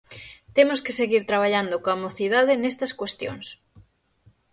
Temos que seguir traballando coa mocidade nestas cuestións.